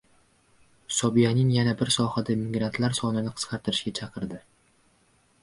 Sobyanin yana bir sohada migrantlar sonini qisqartirishga chaqirdi